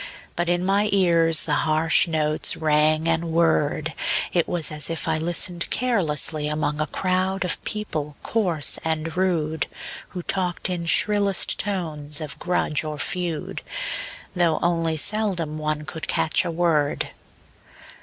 But in my ears the harsh notes rang and whirred; It was as if I listened carelessly Among a crowd of people coarse and rude, Who talked in shrillest tones of grudge or feud, Though only seldom one could catch a word.